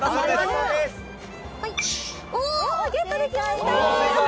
ゲットできました！